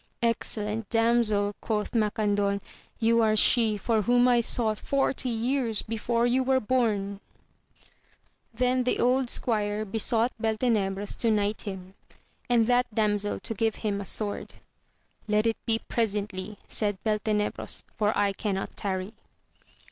Excellent damsel, quoth Macandon, you are she for whom I sought forty years before you were bom ! Then the old squire besought Beltenebros to knight him, and that damsel to give him a sword. Let it 46 AMADI8 OF GAUL. be presently, said Beltenebros, for I cannot tany.